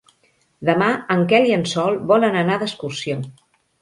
Demà en Quel i en Sol volen anar d'excursió.